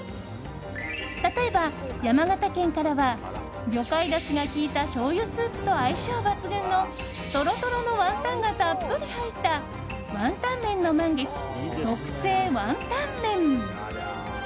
例えば、山形県からは魚介だしが効いたしょうゆスープと相性抜群のトロトロのワンタンがたっぷり入ったワンタンメンの満月特製ワンタンメン。